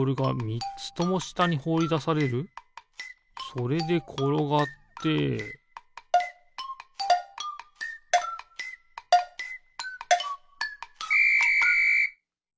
それでころがってピッ！